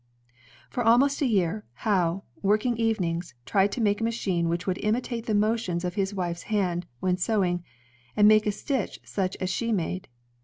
For almost a year, Howe, working evenings, tried to make a machine which would imitate the motions of his wife's hands, when sewing, and make a stitch such as she made.